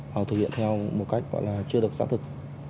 hoặc thực hiện theo một cách gọi là chưa được xác thực